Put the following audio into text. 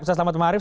saya selamat maaf